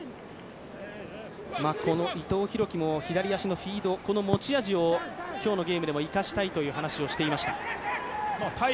この伊藤洋輝も左足のフィード、この持ち味を今日のゲームでも生かしたいという話をしていました。